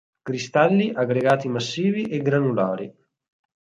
Cristalli, aggregati massivi e granulari.